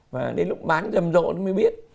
và đến lúc bán rầm rộn mới biết